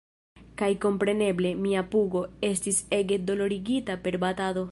Kaj kompreneble, mia pugo... estis ege dolorigita per batado.